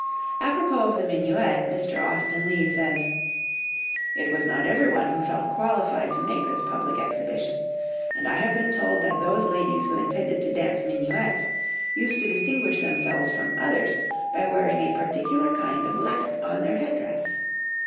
Apropos of the minuet, Mr. Austen Leigh says: "It was not everyone who felt qualified to make this public exhibition, and I have been told that those ladies who intended to dance minuets, used to distinguish themselves from others by wearing a particular kind of lappet on their headdress.